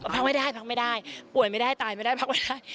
พักไม่ได้ป่วยไม่ได้ตายไม่ได้พักไม่ได้